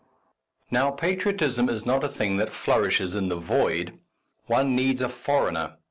Now, patriotism is not a thing that flourishes in the void, one needs a foreigner.